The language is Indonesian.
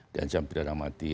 diancam pidana mati